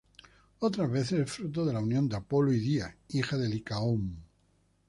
Otras veces es fruto de la unión de Apolo y Día, hija de Licaón.